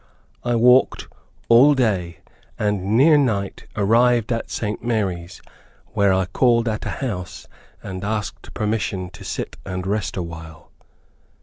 I walked all day, and near night arrived at St. Mary's, where I called at a house, and asked permission to sit and rest awhile.